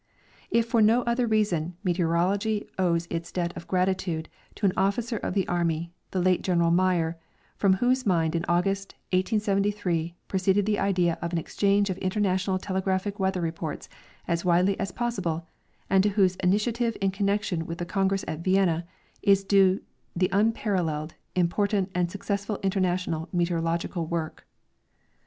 If for no other reason, meteorology owes its debt of gratitude to an officer of the army, the late General Myer, from whose mind in August, 1873, proceeded the idea of an exchange of interna tional telegraphic weather reports as widely as possible, and to whose initiative in connection with the congress at Vienna is due the unparalleled, im]iortant and successful international meteorological Avork.